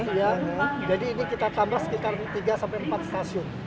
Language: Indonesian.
iya jadi ini kita tambah sekitar tiga sampai empat stasiun